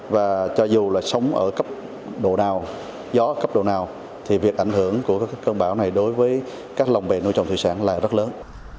và cho dù là sống ở cấp độ nào gió cấp độ nào thì việc ảnh hưởng của cơn bão này đối với các lòng bè nuôi trồng thủy sản là rất lớn